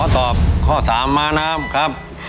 ตอบข้อ๓ม้าน้ำครับ